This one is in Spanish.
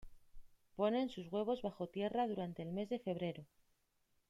Ponen sus huevos bajo tierra durante el mes de febrero.